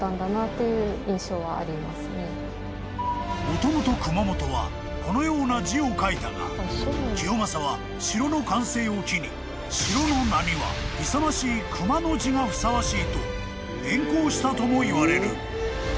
［もともと熊本はこのような字を書いたが清正は城の完成を機に城の名には勇ましい熊の字がふさわしいと変更したともいわれる］